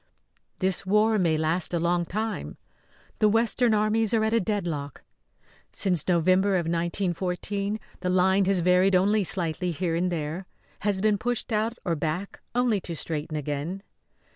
This war may last a long time; the western armies are at a deadlock. Since November of 1914 the line has varied only slightly here and there; has been pushed out or back only to straighten again.